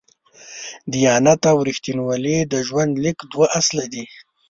دیانت او رښتینولي د ژوند لیک دوه اصله دي.